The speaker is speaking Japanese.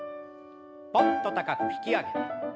ぽんと高く引き上げて。